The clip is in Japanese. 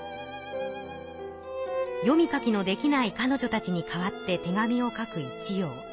読み書きのできないかのじょたちに代わって手紙を書く一葉。